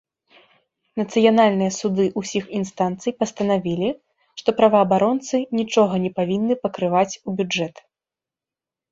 Нацыянальныя суды ўсіх інстанцый пастанавілі, што праваабаронцы нічога не павінны пакрываць ў бюджэт.